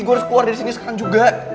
gue harus keluar dari sini sekarang juga